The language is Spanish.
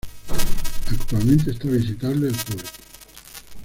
Actualmente está visitable al público.